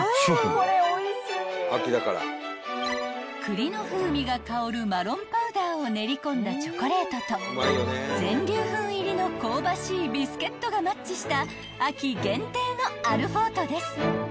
［栗の風味が香るマロンパウダーを練り込んだチョコレートと全粒粉入りの香ばしいビスケットがマッチした］